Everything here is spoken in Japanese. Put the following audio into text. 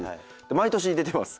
毎年出てます。